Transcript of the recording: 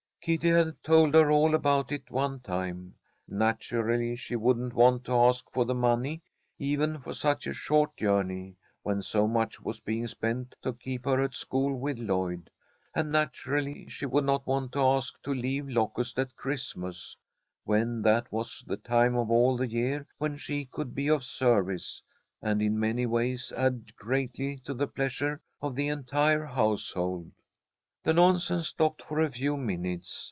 Kitty had told her all about it one time. Naturally she wouldn't want to ask for the money, even for such a short journey, when so much was being spent to keep her at school with Lloyd; and naturally she would not want to ask to leave Locust at Christmas, when that was the time of all the year when she could be of service, and in many ways add greatly to the pleasure of the entire household. The nonsense stopped for a few minutes.